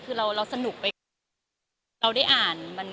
คือเราสนุกไปเราได้อ่าน